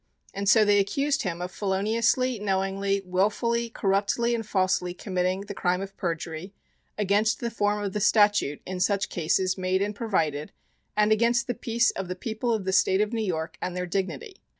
And so they accused him of feloniously, knowingly, wilfully, corruptly, and falsely committing the crime of perjury against the form of the statute in such cases made and provided, and against the peace of the People of the State of New York and their dignity.